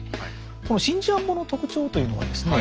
この真珠庵本の特徴というのはですね